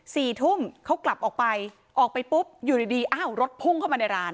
สี่ทุ่มเขากลับออกไปออกไปปุ๊บอยู่ดีดีอ้าวรถพุ่งเข้ามาในร้าน